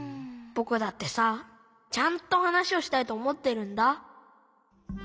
☎ぼくだってさちゃんと話をしたいとおもってるんだ。